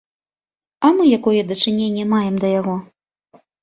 А мы якое дачыненне маем да яго?